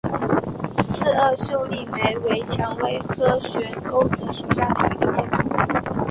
刺萼秀丽莓为蔷薇科悬钩子属下的一个变种。